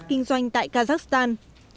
kinh doanh tại kazakhstan